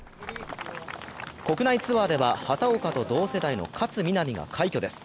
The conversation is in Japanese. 国内ツアーでは畑岡と同世代の勝みなみが快挙です。